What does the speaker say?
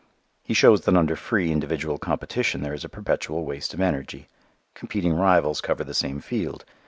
He shows that under free individual competition there is a perpetual waste of energy. Competing rivals cover the same field.